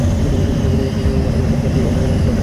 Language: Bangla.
পরে রহস্যজনক কারণে আমার নাম বাদ দিয়ে অন্যজনের নাম পাঠানো হয়।